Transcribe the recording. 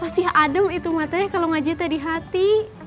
pasti adem itu matanya kalo ngajetnya di hati